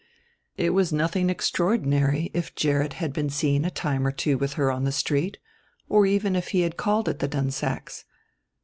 It was nothing extraordinary if Gerrit had been seen a time or two with her on the street, or even if he had called at the Dunsacks'.